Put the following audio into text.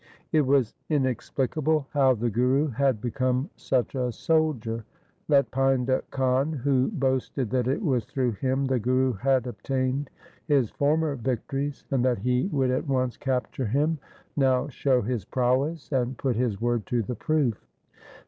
It was inexplicable how the Guru had become such a soldier. Let Painda Khan, who boasted that it was through him the Guru had obtained his former victories, and that he would at once capture him, now show his prowess and put his word to the proof.